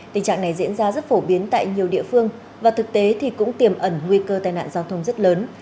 tình trạng này diễn ra rất phổ biến tại nhiều địa phương và thực tế thì cũng tiềm ẩn nguy cơ tai nạn giao thông rất lớn